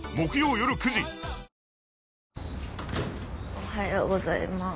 おはようございまーす。